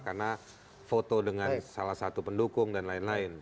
karena foto dengan salah satu pendukung dan lain lain